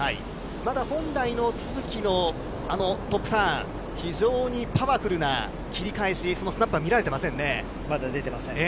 まだ本来の都筑のトップターン、非常にパワフルな切り返し、スナップは見られていませんね。